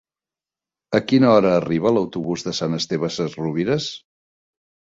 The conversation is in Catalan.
A quina hora arriba l'autobús de Sant Esteve Sesrovires?